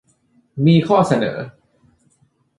มีข้อเสนอ